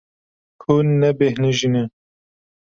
Hûn nebêhnijîne.